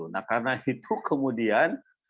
nah karena itu kemudian